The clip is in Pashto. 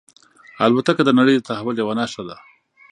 الوتکه د نړۍ د تحول یوه نښه ده.